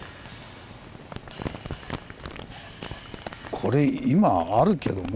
これ今あるけども。